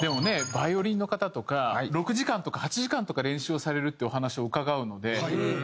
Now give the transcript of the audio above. バイオリンの方とか６時間とか８時間とか練習をされるってお話を伺うので。